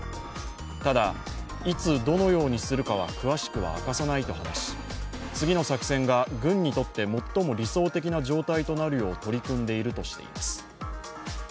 ただ、いつ、どのようにするかは詳しくは明かさないと話し、次の作戦が軍にとって最も理想的な状態となるよう取り組んでいるとしています。